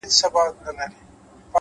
خپل ژوند له موخې سره وتړئ’